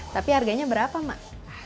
tapi harganya berapa mak